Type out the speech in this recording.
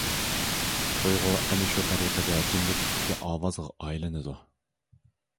تۇيغۇ ئەنە شۇ تەرىقىدە جىمجىتلىقتىكى ئاۋازغا ئايلىنىدۇ.